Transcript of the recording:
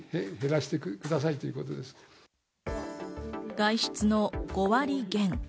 外出の５割減。